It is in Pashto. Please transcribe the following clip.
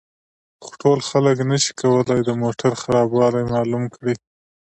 خو ټول خلک نشي کولای د موټر خرابوالی معلوم کړي